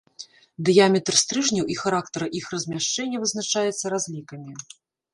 Дыяметр стрыжняў і характар іх размяшчэння вызначаецца разлікамі.